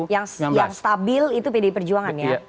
yang stabil itu pdi perjuangan ya